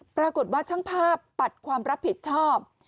ปรากฏว่าช่างภาพปัดความรับผิดชอบ